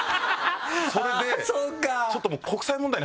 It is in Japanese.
それでちょっともう。